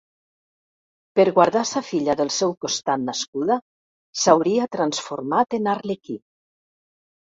Per guardar sa filla del seu costat nascuda, s'hauria transformat en arlequí.